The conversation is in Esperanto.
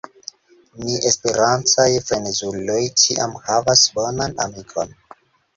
Ni esperantaj frenezuloj ĉiam havas bonan amikon.